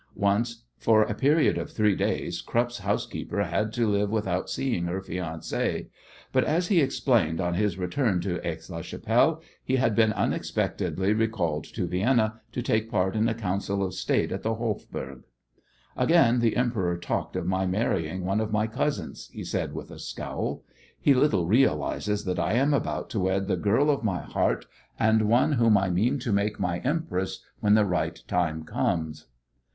Once for a period of three days Krupp's housekeeper had to live without seeing her fiancé, but, as he explained on his return to Aix la Chapelle, he had been unexpectedly recalled to Vienna to take part in a Council of State at the Hofburg. "Again the Emperor talked of my marrying one of my cousins," he said with a scowl. "He little realizes that I am about to wed the girl of my heart, and one whom I mean to make my Empress when the right time comes."